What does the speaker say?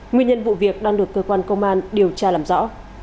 nguyên nhân vụ việc đang được cơ quan công an điều tra làm rõ